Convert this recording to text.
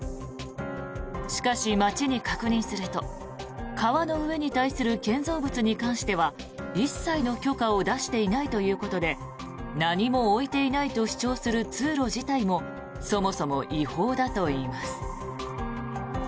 しかし町に確認すると川の上に対する建造物に関しては一切の許可を出していないということで何も置いていないと主張する通路自体もそもそも違法だといいます。